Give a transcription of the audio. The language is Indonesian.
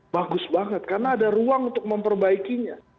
bagus banget karena ada ruang untuk memperbaikinya